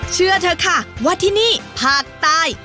เชื่อเถอะค่ะว่าที่นี่ภาคใต้